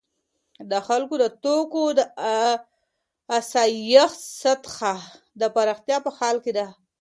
د خلکو د توکو د آسایښت سطح د پراختیا په حال کې ده.